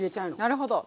なるほど。